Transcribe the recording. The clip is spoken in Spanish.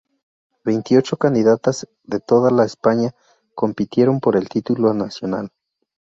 Veintiocho candidatas de toda la España compitieron por el título nacional.